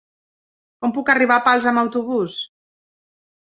Com puc arribar a Pals amb autobús?